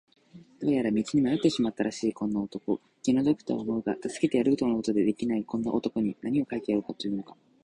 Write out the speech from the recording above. どうやら道に迷ってしまったらしいこんな男、気の毒とは思うが助けてやることのできないこんな男に、なにを書いてやろうというのか。